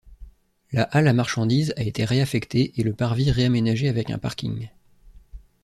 La halle à marchandises a été réaffectée et le parvis réaménagé avec un parking.